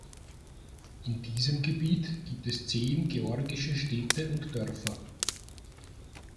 In diesem Gebiet gibt es zehn georgische Städte und Dörfer.